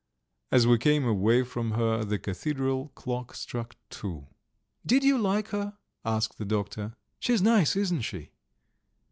As we came away from her the cathedral clock struck two. "Did you like her?" asked the doctor; "she's nice, isn't she?"